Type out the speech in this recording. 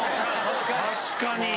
確かに。